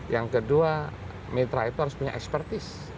yang kedua mitra itu harus punya expertise